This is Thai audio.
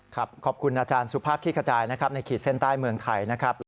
ขอบคุณอาจารย์สุภาพขี้ขจายนะครับในขีดเส้นใต้เมืองไทยนะครับ